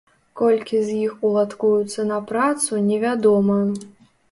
Колькі з іх уладкуюцца на працу, невядома.